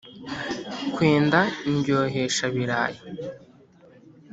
Kwenda "Indyohesha-birayi!"